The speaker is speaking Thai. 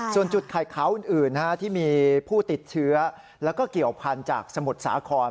ส่วนจุดไข่ขาวอื่นที่มีผู้ติดเชื้อแล้วก็เกี่ยวพันธุ์จากสมุทรสาคร